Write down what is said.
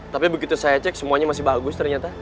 tapi begitu saya cek semuanya masih bagus ternyata